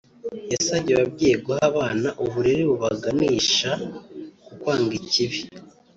yasabye ababyeyi guha abana uburere bubaganisha ku kwanga ikibi